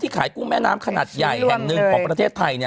ขายกุ้งแม่น้ำขนาดใหญ่แห่งหนึ่งของประเทศไทย